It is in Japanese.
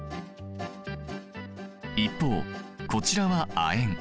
一方こちらは亜鉛。